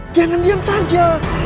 jangan diam saja